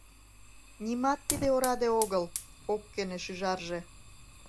— Нимат тиде ораде огыл! — ок кӧнӧ шӱжарже.